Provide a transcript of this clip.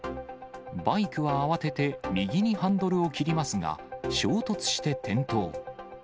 バイクは慌てて右にハンドルを切りますが、衝突して転倒。